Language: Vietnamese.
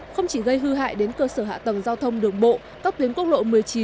không chỉ gây hư hại đến cơ sở hạ tầng giao thông đường bộ cấp tuyến quốc lộ một mươi chín một mươi bốn